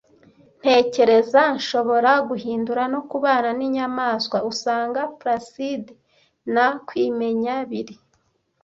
Ntekereza nshobora guhindura no kubana n'inyamaswa, usanga placid na kwimenya biri ,